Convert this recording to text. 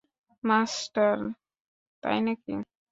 Master, তাই নাকি?